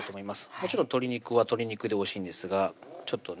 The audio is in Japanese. もちろん鶏肉は鶏肉でおいしいんですがちょっとね